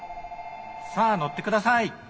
さあ乗って下さい！